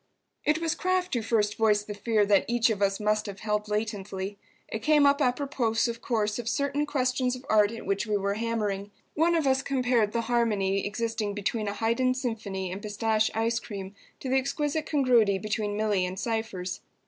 It was Kraft who first voiced the fear that each of us must have held latently. It came up apropos, of course, of certain questions of art at which we were hammering. One of us compared the harmony existing between a Haydn symphony and pistache ice cream to the exquisite congruity between Milly and Cypher's.